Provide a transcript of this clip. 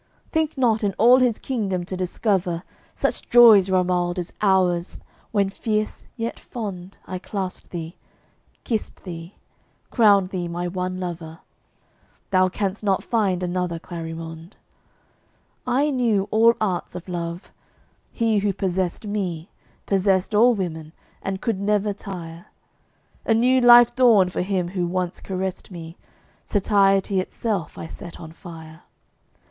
Think not in all His Kingdom to discover Such joys, Romauld, as ours, when fierce yet fond I clasped thee kissed thee crowned thee my one lover: Thou canst not find another Clarimonde. I knew all arts of love: he who possessed me Possessed all women, and could never tire; A new life dawned for him who once caressed me; Satiety itself I set on fire.